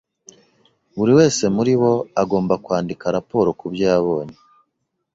Buri wese muri bo agomba kwandika raporo kubyo yabonye.